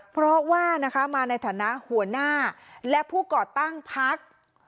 เพราะว่ามาในฐานะหัวหน้าและผู้ก่อตั้งพัก